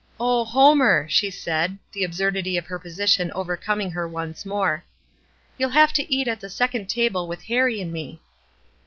"O Homer!" she said, the absurdity of her position overcoming her once more. "You'll have to eat at the second table with Harrie and me."